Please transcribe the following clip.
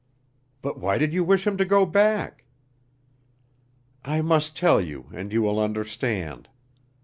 "But why did you wish him to go back?" "I must tell you, and you will understand.